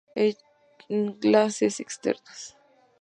Enlaces Externos